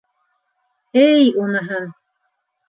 Эй, уныһын!